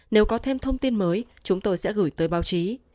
nếu có thêm thông tin mới chúng tôi sẽ gửi tới báo chí